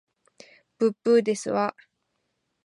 ぶっぶーですわ